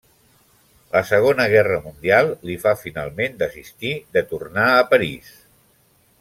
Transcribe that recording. La Segona Guerra Mundial li fa finalment desistir de tornar a París.